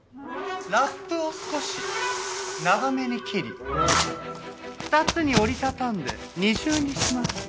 ラップを少し長めに切り２つに折り畳んで２重にします。